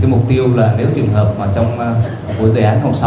mục tiêu là nếu trường hợp trong đề án sáu